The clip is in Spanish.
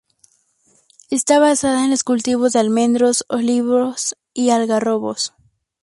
Está basada en los cultivos de almendros, olivos y algarrobos.